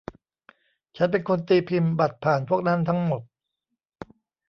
ฉันเป็นคนตีพิมพ์บัตรผ่านพวกนั้นทั้งหมด